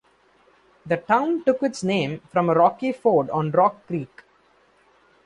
The town took its name from a rocky ford on Rock Creek.